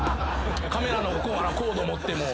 カメラのコード持って。